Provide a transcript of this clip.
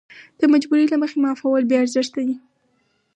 د مجبورۍ له مخې معافول بې ارزښته دي.